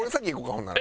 ほんなら。